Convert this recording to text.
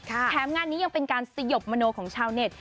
แถมงานนี้ยังเป็นการสยบมโนของชาวเน็ต